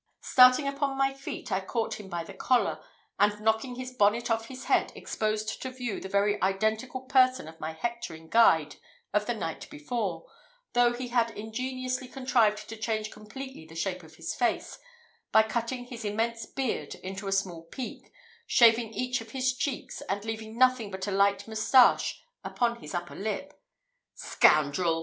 Starting upon my feet, I caught him by the collar, and knocking his bonnet off his head, exposed to view the very identical person of my hectoring guide of the night before, though he had ingeniously contrived to change completely the shape of his face, by cutting his immense beard into a small peak, shaving each of his cheeks, and leaving nothing but a light moustache upon his upper lip. "Scoundrel!"